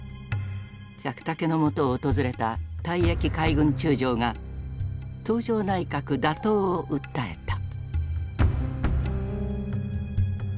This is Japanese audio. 百武のもとを訪れた退役海軍中将が東條内閣打倒を訴えた。